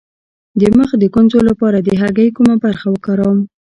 د مخ د ګونځو لپاره د هګۍ کومه برخه وکاروم؟